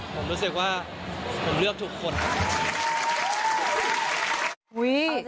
ผมรู้สึกว่าผมเลือกทุกคน